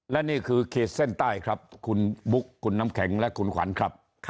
และนี่คือขีดเส้นใต้ครับคุณบุ๊คคุณน้ำแข็งและคุณขวัญครับ